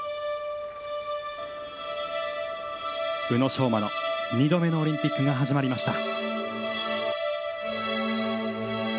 宇野昌磨の２度目のオリンピックが始まりました。